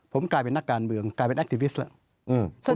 ผมกลายเป็นนักการเมืองกลายเป็นแอคติวิสแล้ว